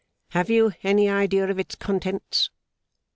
'Have you any idea of its contents?